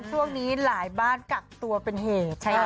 ช่วงนี้หลายบ้านกักตัวเป็นเหตุ